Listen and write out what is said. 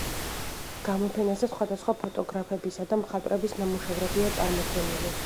გამოფენაზე სხვადასხვა ფოტოგრაფებისა და მხატვრების ნამუშევრებია წარმოდგენილი.